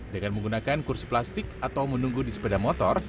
dengan menggunakan kursi plastik atau menunggu di sepeda motor